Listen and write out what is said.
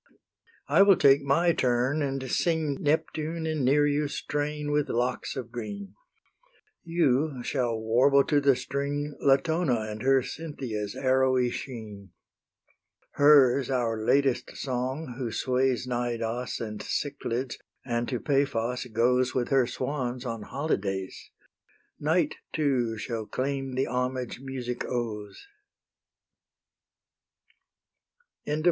I will take my turn and sing Neptune and Nereus' train with locks of green; You shall warble to the string Latona and her Cynthia's arrowy sheen. Hers our latest song, who sways Cnidos and Cyclads, and to Paphos goes With her swans, on holydays; Night too shall claim the homage music owes. XXIX.